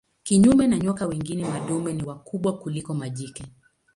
Kinyume na nyoka wengine madume ni wakubwa kuliko majike.